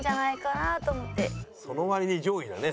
その割に上位だね。